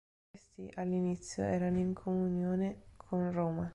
Questi all'inizio erano in comunione con Roma.